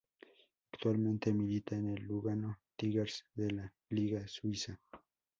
Actualmente milita en el Lugano Tigers de la liga suiza.